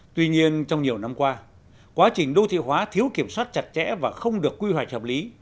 tuy nhiên trong nhiều năm qua quá trình đô thị hóa thiếu kiểm soát chặt chẽ và không được quy hoạch hợp lý